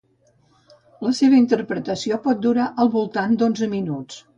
La seva interpretació pot durar al voltant d'onze minuts.